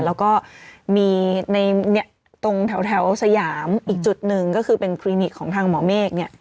แล้วก็มีในตรงแถวสยามอีกจุดหนึ่งก็คือเป็นคลินิกของทางหมอเมฆ